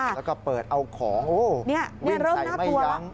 แล้วก็เปิดเอาของวินใส่ไม่ยั้ง